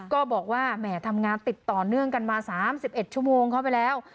ก็บอกว่าแหมทำงานติดต่อเนื่องกันมา๓๑ชั่วโมงเข้าไปแล้ว